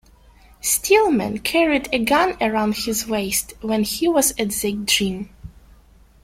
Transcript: Stillman carried a gun around his waist when he was at the gym.